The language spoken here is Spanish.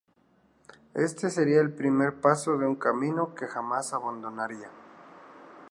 Este sería el primer paso de un camino que jamás abandonaría.